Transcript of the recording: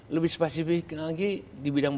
lebih spesifik lagi di bidang